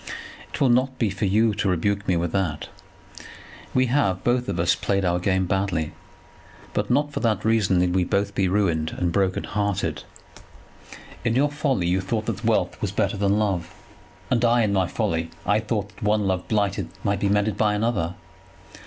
"It will not be for you to rebuke me with that. We have, both of us, played our game badly, but not for that reason need we both be ruined and broken hearted. In your folly you thought that wealth was better than love; and I, in my folly, I thought that one love blighted might be mended by another.